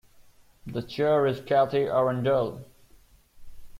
The Chair is Kathie Arundell.